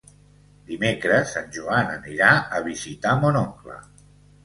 Dimecres en Joan anirà a visitar mon oncle.